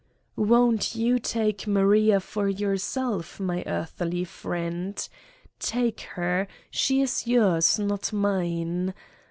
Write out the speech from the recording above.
Won't you take Maria for yourself, my earthly friend? Take her. She is yours, not mine.